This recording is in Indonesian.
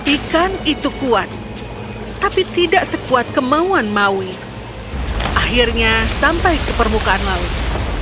ikan itu kuat tapi tidak sekuat kemauan maui akhirnya sampai ke permukaan laut